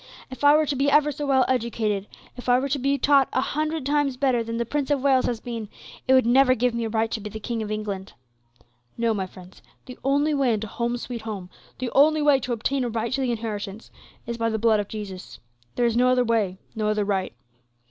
If I were to be ever so well educated, if I were to be taught a hundred times better than the Prince of Wales has been, it would never give me a right to be King of England. No, my friends, the only way into 'Home, sweet Home,' the only way to obtain a right to the inheritance, is by the blood of Jesus. There is no other way, no other right.